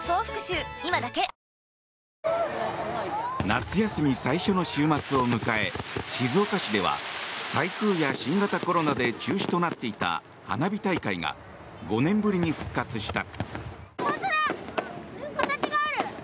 夏休み最初の週末を迎え静岡市では台風や新型コロナで中止となっていた花火大会が５年ぶりに復活した。